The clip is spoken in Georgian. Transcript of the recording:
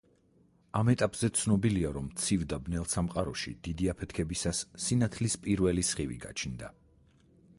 ამ ეტაპზე ცნობილია, რომ ცივ და ბნელ სამყაროში დიდი აფეთქებისას, სინათლის პირველი სხივი გაჩნდა.